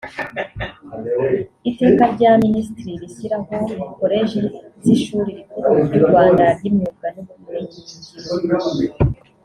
Iteka rya Minisitiri rishyiraho Koleji z’Ishuri Rikuru ry’u Rwanda ry’Imyuga n’Ubumenyingiro